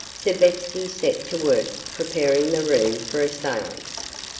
Savetsky set to work preparing the room for a seance.